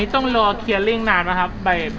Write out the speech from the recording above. ต้องรอเคลียร์นะครับ